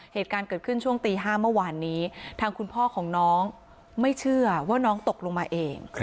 เหตุการณ์เกิดขึ้นช่วงตี๕เมื่อวานนี้ทางคุณพ่อของน้องไม่เชื่อว่าน้องตกลงมาเอง